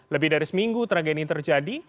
lebih dari seminggu tragedi terjadi